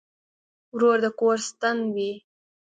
ورور د کور ستن وي.